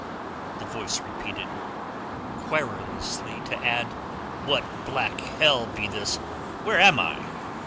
the voice repeated, querulously to add: "What black hell be this? Where am I?"